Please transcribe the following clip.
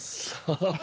ハハハハ。